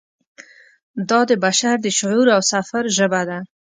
دا د بشر د شعور او سفر ژبه ده.